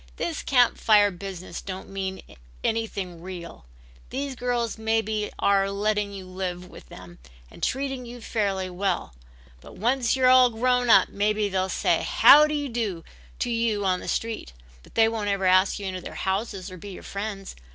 "This Camp Fire business don't mean anything real. These girls maybe are letting you live with them and treating you fairly well but once you're grown up, maybe they'll say 'Howdy do' to you on the street, but they won't ever ask you into their houses or be your friends.